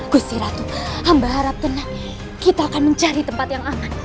busti ratu ambah harap tenang kita akan mencari tempat yang aman